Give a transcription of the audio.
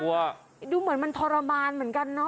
โหนี่นะดูเหมือนมันทรมานเหมือนกันเนอะ